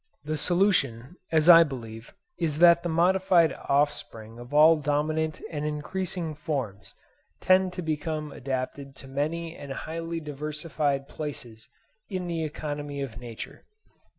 The solution, as I believe, is that the modified offspring of all dominant and increasing forms tend to become adapted to many and highly diversified places in the economy of nature.